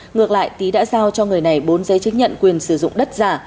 ngược lại tý đã giao cho người này bốn giấy chứng nhận quyền sử dụng đất giả